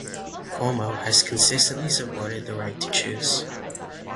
Cuomo has consistently supported the right to choose.